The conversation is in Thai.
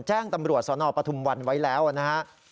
แจ้งตำรวจสนปฐุมวันไว้แล้วนะครับ